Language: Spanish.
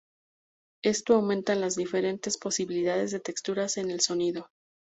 Esto aumenta las diferentes posibilidades de texturas en el sonido.